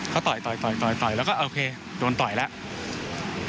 ก็ต่อยต่อยแล้วก็โอเคโดนต่อยแล้ว